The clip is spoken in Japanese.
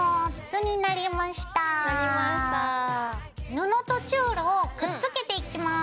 布とチュールをくっつけていきます。